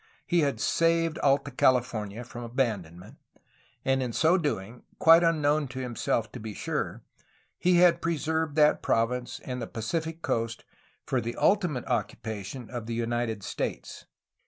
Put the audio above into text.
He had saved Alta California from abandonment, and in so doing, quite unknown to him self to be sure, had preserved that province and the Pacific coast for the ultimate occupation of the United States.